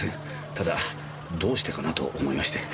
ただどうしてかなと思いましてええ。